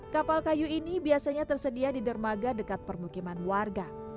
kapal kayu ini biasanya tersedia di dermaga dekat permukiman warga